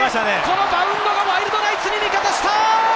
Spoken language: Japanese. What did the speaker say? バウンドがワイルドナイツに味方した！